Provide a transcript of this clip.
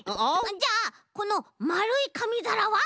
じゃあこのまるいかみざらは？